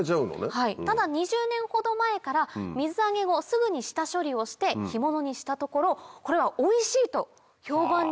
はいただ２０年ほど前から水揚げ後すぐに下処理をして干物にしたところ「これはおいしい！」と評判に。